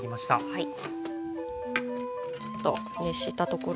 はい。